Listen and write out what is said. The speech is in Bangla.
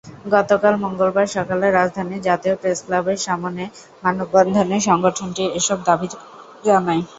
গতকাল মঙ্গলবার সকালে রাজধানীর জাতীয় প্রেসক্লাবের সামনে মানববন্ধনে সংগঠনটি এসব দাবি জানায়।